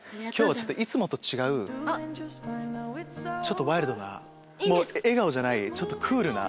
いつもと違うちょっとワイルドな笑顔じゃないちょっとクールな。